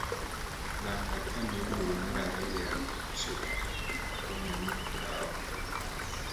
laktar kane oduogo mar ariyo nonyiso Likono ni ka ok oyang'e